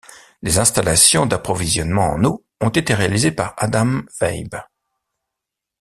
Les installations d'approvisionnement en eau ont été réalisées par Adam Wybe.